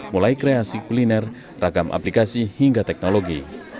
mulai kreasi kuliner ragam aplikasi hingga teknologi